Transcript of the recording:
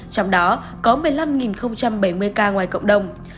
trong đó có một mươi năm bảy mươi ca ngoài cộng đồng